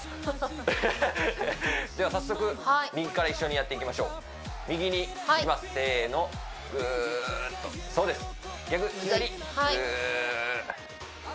ハハハッでは早速右から一緒にやっていきましょう右にいきますせーのぐーっとそうです逆左ぐーっ